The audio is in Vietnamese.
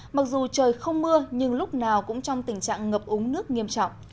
mặc dù trời không mưa nhưng lúc nào cũng trong tình trạng ngập úng nước nghiêm trọng